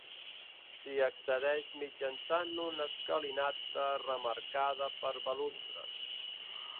S'hi accedeix mitjançant una escalinata remarcada per balustres.